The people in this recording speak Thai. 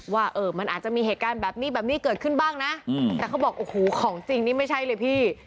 ว่ามันอาจจะมีเหตุการณ์แบบนี้แบบนี้เกิดขึ้นบ้างนะแต่เขาบอกโอ้โหของจริงนี่ไม่ใช่เลยพี่